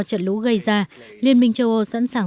trận lũ gây ra liên minh châu âu sẵn sàng